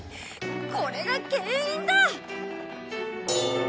これが原因だ！